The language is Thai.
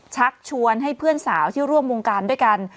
ชักชวนให้เพื่อนสาวที่ร่วมวงการด้วยกัน